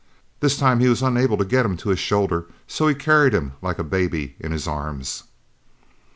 This time, he was unable to get him to his shoulder so he carried him like a baby in his arms.